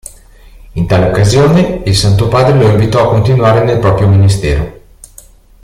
In tale occasione il Santo Padre lo invitò a continuare nel proprio ministero.